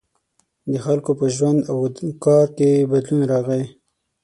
• د خلکو په ژوند او کار کې بدلون راغی.